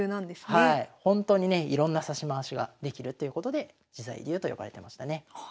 ほんとにねいろんな指し回しができるということで自在流と呼ばれてましたね。